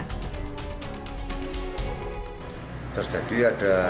terjadi ada sedikit masalah